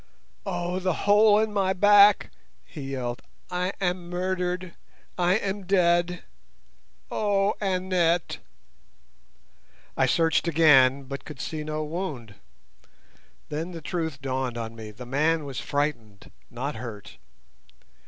"Oh, the hole in my back!" he yelled. "I am murdered. I am dead. Oh, Annette!" I searched again, but could see no wound. Then the truth dawned on me—the man was frightened, not hurt.